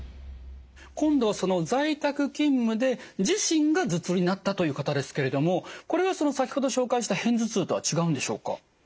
今度は在宅勤務で自身が頭痛になったという方ですけれどもこれは先ほど紹介した片頭痛とは違うんでしょうか？